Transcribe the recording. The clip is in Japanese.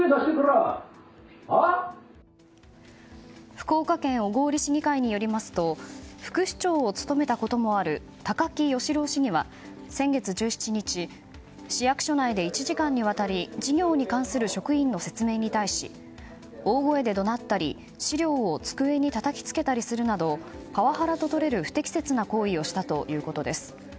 福岡県小郡市議会によりますと副市長を務めたこともある高木良郎市議は先月１７日、市役所内で１時間にわたり事業に関する職員の説明に対し大声で怒鳴ったり、資料を机にたたきつけたりするなどパワハラととれる不適切な行為をしたということです。